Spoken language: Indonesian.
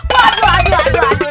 waduh aduh aduh aduh